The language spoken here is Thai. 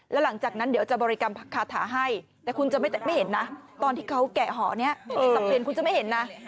แล้วหลังจากนั้นเดี๋ยวจะบริกรรมคาถาให้แต่คุณจะไม่เห็นนะตอนที่เขาแกะหอนี้สับเปลี่ยนคุณจะไม่เห็นนะ